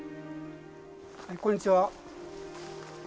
こんにちは。